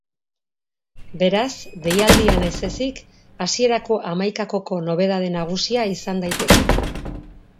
Beraz, deialdian ez ezik, hasierako hamaikakoko nobedade nagusia izan daiteke.